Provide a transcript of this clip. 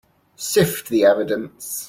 Sift the evidence.